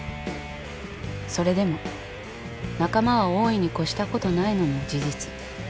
それでも仲間は多いにこしたことないのも事実。